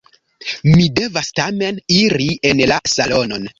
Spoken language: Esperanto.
Mi devas tamen iri en la salonon.